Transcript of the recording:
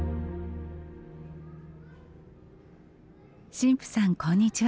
神父さんこんにちは。